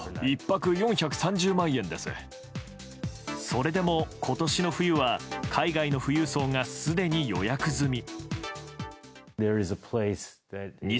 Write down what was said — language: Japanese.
それでも今年の冬は海外の富裕層がすでに予約済み。